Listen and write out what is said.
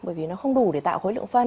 bởi vì nó không đủ để tạo khối lượng phân